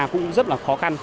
cũng rất là khó khăn